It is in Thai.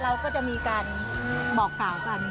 เราก็จะมีการบอกกล่าวกัน